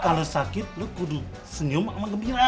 kalau sakit lu kudu senyum sama gembira